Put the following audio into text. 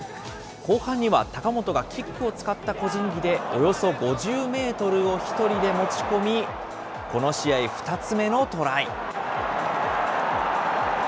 後半には高本がキックを使った個人技でおよそ５０メートルを１人で持ち込み、この試合２つ目のトライ。